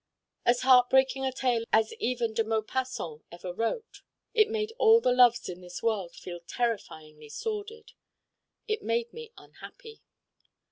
As heartbreaking a tale as even de Maupassant ever wrote. It made all the loves in this world feel terrifyingly sordid. It made me unhappy.